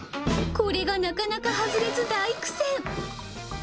これがなかなか外れず、大苦戦。